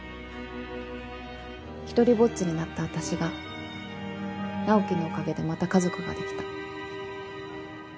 独りぼっちになった私が直樹のおかげでまた家族が出来た。